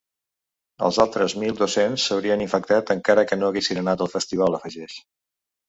“Els altres mil dos-cents s’haurien infectat encara que no haguessin anat al festival”, afegeix.